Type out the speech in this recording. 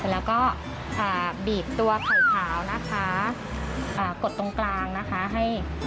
แล้วก็บีบตัวไข่ขาวนะคะกดตรงกลางนะคะให้